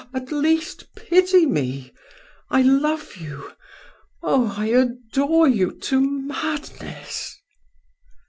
Ah! at least pity me! I love you: oh! I adore you to madness!"